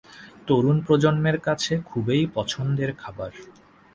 তরুন প্রজন্মের কাছে খুবই পছন্দের খাবার।